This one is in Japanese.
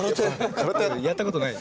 やったことない。